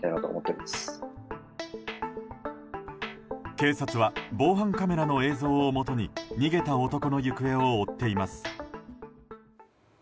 警察は防犯カメラの映像をもとに逃げた男の行方を追っています。